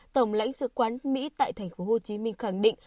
tổng lãnh sự quán mỹ tại thành phố hồ chí minh khẳng định